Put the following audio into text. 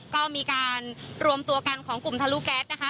ก็มีการรวมตัวกันของกลุ่มทะลุแก๊สนะคะ